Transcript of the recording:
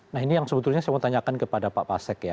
nah ini yang sebetulnya saya mau tanyakan kepada pak pasek ya